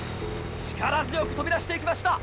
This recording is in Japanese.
力強く飛び出して行きました